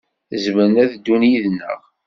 Zemren ad ddun yid-neɣ.